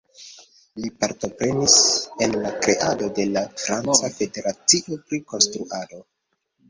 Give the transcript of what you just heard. Li partoprenis en la kreado de la franca Federacio pri Konstruado.